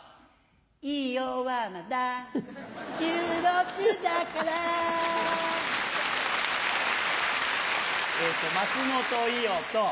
伊代はまだ１６だからえっと松本伊代と。